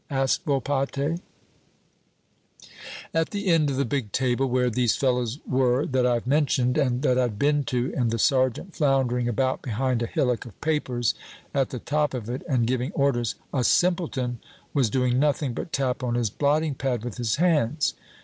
asked Volpatte. "At the end of the big table where these fellows were that I've mentioned and that I'd been to, and the sergeant floundering about behind a hillock of papers at the top of it and giving orders, a simpleton was doing nothing but tap on his blotting pad with his hands.